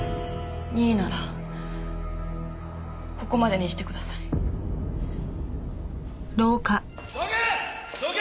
任意ならここまでにしてください。どけ！